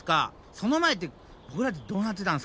その前ってボクらってどうなってたんですかね？